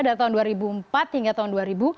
dari tahun dua ribu empat hingga tahun dua ribu